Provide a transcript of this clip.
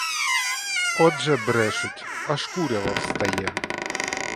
От же брешуть, аж курява встає!